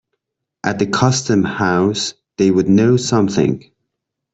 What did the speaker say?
At the Custom House they would know something.